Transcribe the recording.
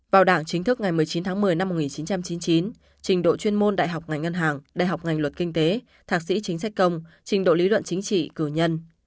vào đảng chính thức ngày một mươi chín tháng một mươi năm một nghìn chín trăm chín mươi chín trình độ chuyên môn đại học ngành ngân hàng đại học ngành luật kinh tế thạc sĩ chính sách công trình độ lý luận chính trị cử nhân